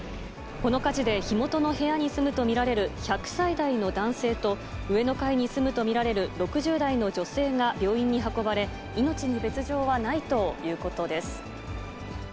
この火事で火元の部屋に住むと見られる１００歳代の男性と、上の階に住むと見られる６０代の女性が病院に運ばれ、命に別状はないということです。